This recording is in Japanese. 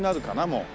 もう。